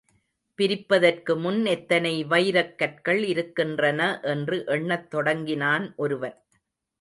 பிரிப்பதற்கு முன், எத்தனை வைரக் கற்கள் இருக்கின்றன என்று எண்ணத் தொடங்கினான் ஒருவன்.